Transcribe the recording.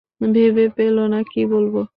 ভেবে পেলে না কী বলবে।